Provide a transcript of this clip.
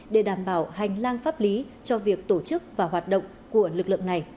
để đảm bảo hành lang pháp lý cho việc tổ chức và hoạt động của lực lượng này